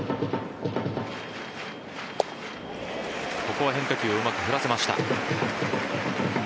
ここは変化球をうまく振らせました。